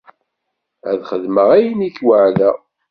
Ad xedmeɣ ayen i k-weɛdeɣ.